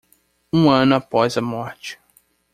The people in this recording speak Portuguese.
Um ano após a morte